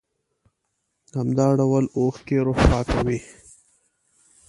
همدا ډول اوښکې روح پاکوي.